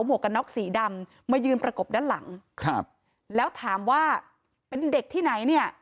วกกันน็อกสีดำมายืนประกบด้านหลังครับแล้วถามว่าเป็นเด็กที่ไหนเนี่ย